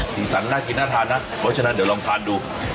สีสันน่ากินน่าทานนะเพราะฉะนั้นเดี๋ยวลองทานดู